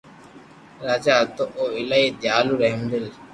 راجا ھتو او ايلائي ديالو رحمدل